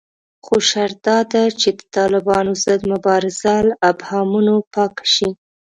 خو شرط داده چې د طالبانو ضد مبارزه له ابهامونو پاکه شي